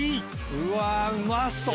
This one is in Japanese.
うわうまそう！